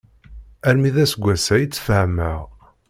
Armi d aseggas-a i tt-fehmeɣ.